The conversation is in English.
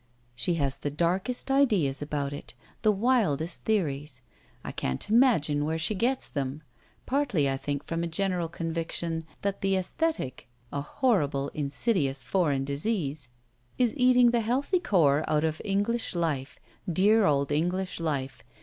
"She has the darkest ideas about it the wildest theories. I can't imagine where she gets them; partly I think from a general conviction that the 'esthetic' a horrible insidious foreign disease is eating the healthy core out of English life (dear old English life!)